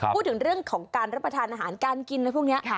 พูดถึงเรื่องของการรับประทานอาหารการกินอะไรพวกนี้